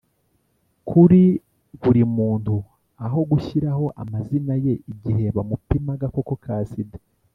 kuri buri muntu aho gushyiraho amazina ye igihe bamupima agakoko ka sida.